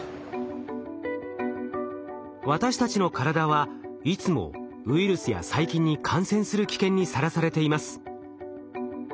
私たちの体はいつもウイルスや細菌に感染する危険にさらされています。